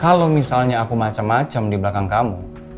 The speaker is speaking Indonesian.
kalau misalnya aku macem macem di belakang kamu